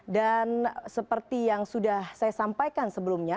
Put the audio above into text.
dan seperti yang sudah saya sampaikan sebelumnya